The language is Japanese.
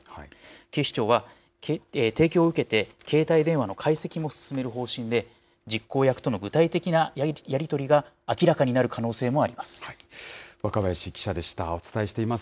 警視庁は提供を受けて、携帯電話の解析も進める方針で、実行役との具体的なやり取りが明らかになる可能性もあります。